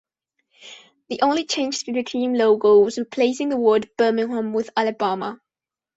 The only change to the team logo was replacing the word "Birmingham" with "Alabama.